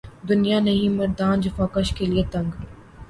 دنیا نہیں مردان جفاکش کے لیے تنگ